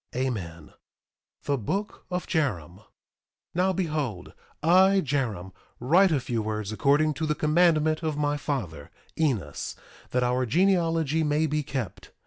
Amen. THE BOOK OF JAROM 1:1 Now behold, I, Jarom, write a few words according to the commandment of my father, Enos, that our genealogy may be kept.